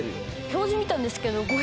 表示見たんですけど。